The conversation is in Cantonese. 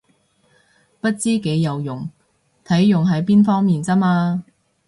不知幾有用，睇用喺邊方面咋嘛